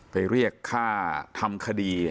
เรียกค่าทำคดี